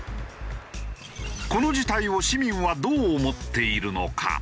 この事態を市民はどう思っているのか？